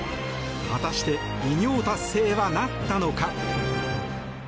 果たして偉業達成はなったのか。